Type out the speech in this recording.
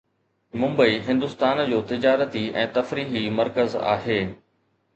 ممبئي هندستان جو تجارتي ۽ تفريحي مرڪز آهي